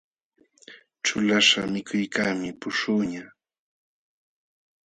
Ćhulalaqśhqa mikuykaqmi puśhuqñaq.